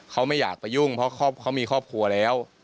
เขาไม่อยากไปยุ่งเพราะเขามีครอบครัวแล้ว